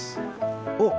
おっ！